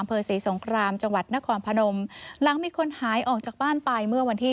อำเภอศรีสงครามจังหวัดนครพนมหลังมีคนหายออกจากบ้านไปเมื่อวันที่